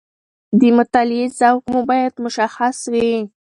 د مطالعې ذوق مو باید مشخص وي.